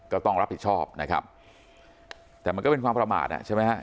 ก็ต้องรับผิดชอบนะครับแต่มันก็เป็นความประมาทอ่ะใช่ไหมฮะ